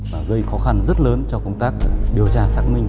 và gây khó khăn rất lớn cho công tác điều tra xác minh